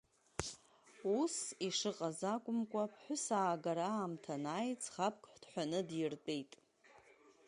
Ус ишыҟаз акәымкәа, ԥҳәысаагара аамҭа анааи, ӡӷабк дҳәаны диртәеит.